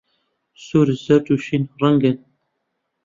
سوور، زەرد، و شین ڕەنگن.